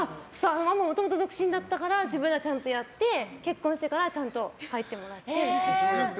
もともと独身だったら自分でちゃんとやって結婚してからちゃんと入ってもらって。